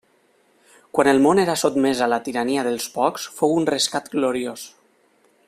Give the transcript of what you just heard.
Quan el món era sotmès a la tirania dels pocs, fou un rescat gloriós.